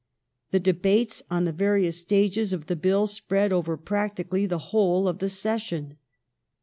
The debates on the various stages of the Bill spread over practically the whole of the session.